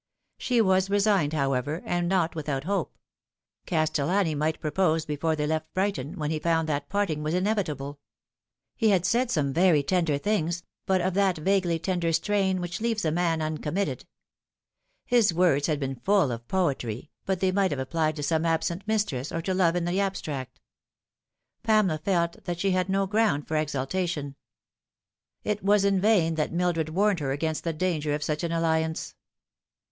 She was resigned, however, and not without hope. Castel lani might propose before they left Brighton, when he found that parting was inevitable. He had said some very tender things, but of that vaguely tender strain which leaves a man uncommitted. His words had been full of poetry, but they might have applied to some absent mistress, or to love in the abstract. Pamela felt that she had no ground for exultation. It was in vain that Mildred warned her against the danger of such an alliance.